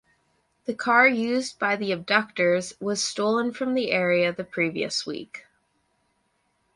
The car used by the abductors was stolen from the area the previous week.